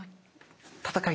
戦い